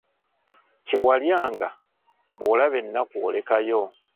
Kye walyanga, bw'olaba ennaku olekayo.